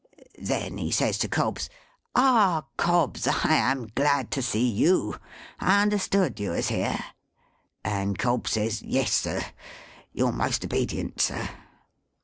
Then he says to Cobbs, "Ah, Cobbs, I am glad to see you! I understood you was here!" And Cobbs says, "Yes, sir. Your most obedient, sir."